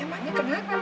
emangnya kenapa sih rok